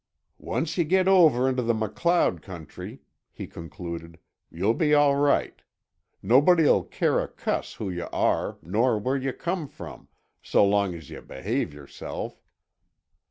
"Once yuh get over into the MacLeod country," he concluded, "you'll be all right. Nobody'll care a cuss who yuh are nor where yuh come from, so long as yuh behave yourself.